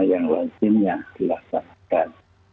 yang wajibnya dilaksanakan